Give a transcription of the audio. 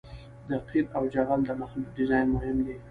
د قیر او جغل د مخلوط ډیزاین مهم دی